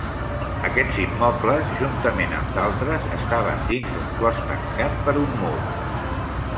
Aquests immobles, juntament amb d'altres, estaven dins d'un clos tancat per un mur.